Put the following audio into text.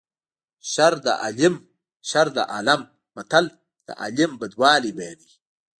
شر د عالیم شر د عالیم متل د عالم بدوالی بیانوي